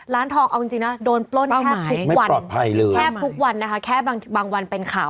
ร้านทองเอาจริงนะโดนปล้นแค่พรุ่งวันแค่พรุ่งวันนะคะแค่บางวันเป็นข่าว